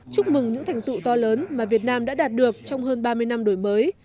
chúc mừng những thành tựu to lớn mà việt nam đã đạt được trong hơn ba mươi năm đổi mới